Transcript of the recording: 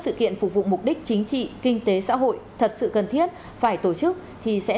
sự kiện phục vụ mục đích chính trị kinh tế xã hội thật sự cần thiết phải tổ chức thì sẽ